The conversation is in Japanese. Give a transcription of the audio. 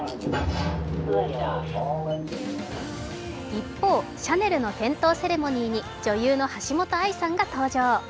一方、シャネルの点灯セレモニーに女優の橋本愛さんが登場。